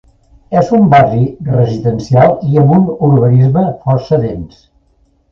És un barri residencial i amb un urbanisme força dens.